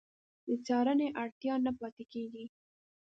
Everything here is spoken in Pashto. د څارنې اړتیا نه پاتې کېږي.